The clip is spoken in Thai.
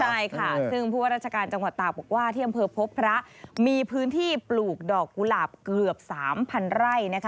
ใช่ค่ะซึ่งผู้ว่าราชการจังหวัดตากบอกว่าที่อำเภอพบพระมีพื้นที่ปลูกดอกกุหลาบเกือบ๓๐๐ไร่นะคะ